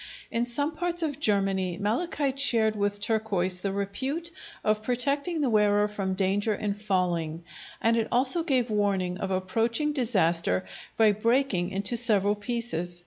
In some parts of Germany, malachite shared with turquoise the repute of protecting the wearer from danger in falling, and it also gave warning of approaching disaster by breaking into several pieces.